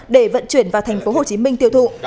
để vận chuyển vào thành phố hồ chí minh tiêu thụ